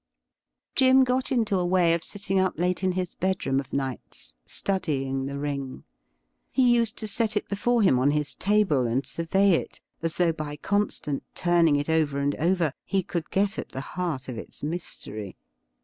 Jim got into a way of sitting up late in his bedroom of nights, studying the ring. He used to set it before him on his table and survey it, as though by constant turning it over and over he could get at the heart of its mystery.